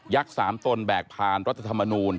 ยักษ์สามตนแบกผ่านรัฐธรรมนูล